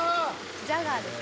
・ジャガーです。